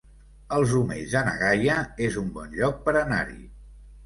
Els Omells de na Gaia es un bon lloc per anar-hi